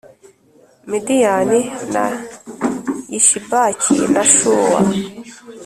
Midiyani na Yishibaki na Shuwa